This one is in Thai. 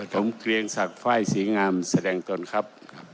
ผมเกลียงศักดิ์ไฟล์ศรีงามแสดงตนครับ